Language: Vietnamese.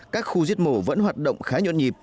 các khu giết mổ vẫn hoạt động khá nhuận nhịp